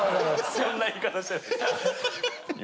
そんな言い方してない。